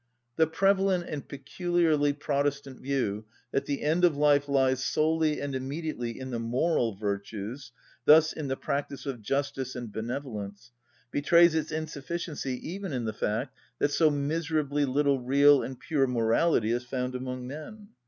The prevalent and peculiarly Protestant view that the end of life lies solely and immediately in the moral virtues, thus in the practice of justice and benevolence, betrays its insufficiency even in the fact that so miserably little real and pure morality is found among men.